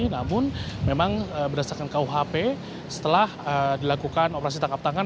namun memang berdasarkan kuhp setelah dilakukan operasi tangkap tangan